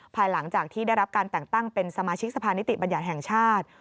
ภายหลังจากที่ได้รับการแต่งตั้งเป็นสมาชิกสภานิติบัญญัติแห่งชาติ